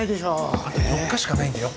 あと４日しかないんだよ。